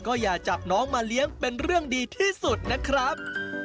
ก็อย่าจับน้องมาเลี้ยงเป็นเรื่องดีที่สุดนะครับ